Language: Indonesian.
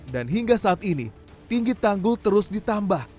dan hingga saat ini tinggi tanggul terus ditambah